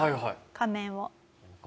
仮面を。